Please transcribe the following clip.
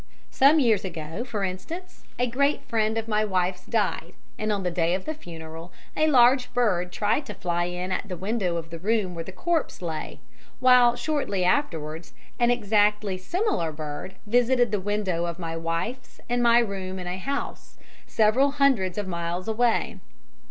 Some years ago, for instance, a great friend of my wife's died, and on the day of the funeral a large bird tried to fly in at the window of the room where the corpse lay; while, shortly afterwards, an exactly similar bird visited the window of my wife's and my room in a house, several hundreds of miles away.